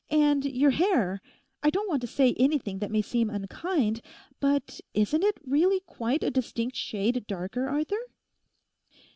And your hair—I don't want to say anything that may seem unkind—but isn't it really quite a distinct shade darker, Arthur?